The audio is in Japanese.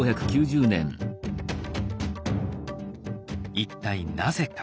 一体なぜか。